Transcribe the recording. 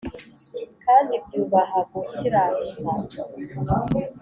kandi byubaha gukiranuka